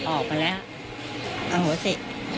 ออกไปแล้วเอาหัวสิ